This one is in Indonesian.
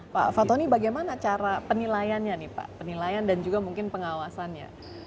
pak fatoni bagaimana cara penilaiannya nih pak penilaian dan juga mungkin pengawasannya